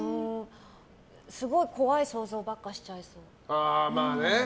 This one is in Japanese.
すごい怖い想像ばっかりしちゃいそう。